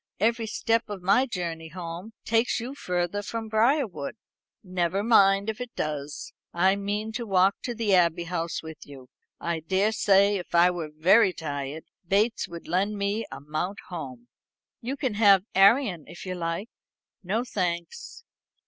Every step of my journey home takes you further from Briarwood." "Never mind if it does. I mean to walk to the Abbey House with you. I daresay, if I were very tired, Bates would lend me a mount home." "You can have Arion, if you like." "No, thanks.